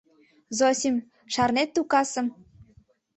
— Зосим, шарнет ту касым?